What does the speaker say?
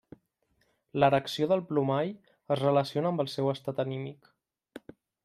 L'erecció del plomall es relaciona amb el seu estat anímic.